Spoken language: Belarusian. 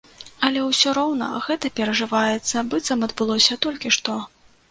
Але ўсё роўна, гэта перажываецца, быццам адбылося толькі што.